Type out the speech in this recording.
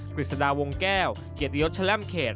กฤษฎาวงแก้วเกียรติยศแล่มเขต